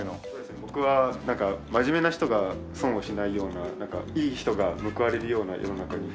僕はなんか真面目な人が損をしないようないい人が報われるような世の中になってほしいなあっていう。